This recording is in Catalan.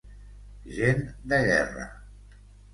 Gent de guerra.